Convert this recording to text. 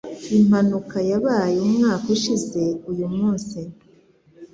Impanuka yabaye umwaka ushize uyu munsi.